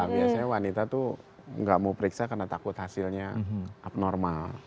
biasanya wanita tuh nggak mau periksa karena takut hasilnya abnormal